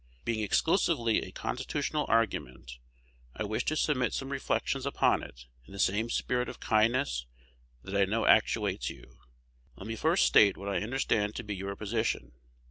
Being exclusively a constitutional argument, I wish to submit some reflections upon it in the same spirit of kindness that I know actuates you. Let me first state what I understand to be your position.